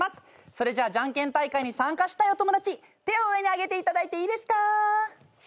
それじゃあじゃんけん大会に参加したいお友達手を上に挙げていただいていいですか？